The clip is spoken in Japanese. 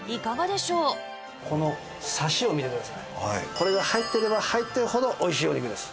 これが入っていれば入っているほどおいしいお肉です。